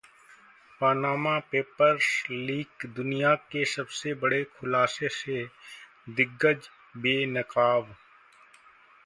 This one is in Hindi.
पनामा पेपर्स लीक: दुनिया के 'सबसे बड़े खुलासे' से दिग्गज बेनकाब